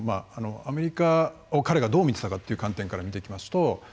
アメリカを彼がどう見てたかっていう観点から見ていきますと